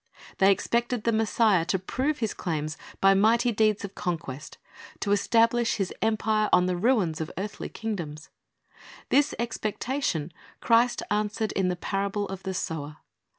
They expected the Messiah to prove His claims by mighty deeds of conquest, to establish His empire on the ruins of earthly kingdoms. This expec tatior^ Christ answered in the parable of the sower.